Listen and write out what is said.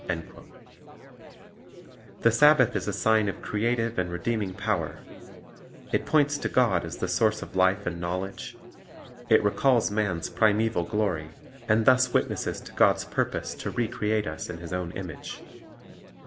1 The Sabbath is a sign of creative and redeeming power; it points to God as the source of life and knowledge; it recalls man's primeval glory, and thus witnesses to God's purpose to re create us in His own image.